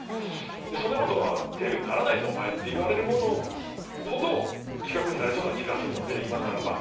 「そんな事はテレビにならないぞお前」って言われるものほど企画になりそうな気がするので今ならば。